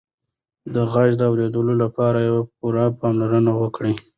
د غږ د اورېدو لپاره پوره پاملرنه وکړه.